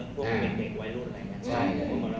พวกมันเป็นเด็กไวร์ด